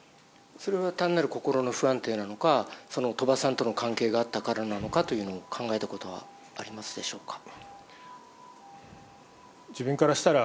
それは単なる心の不安定なのか、鳥羽さんとの関係があったからなのかっていうのを考えたことはあ自分からしたら、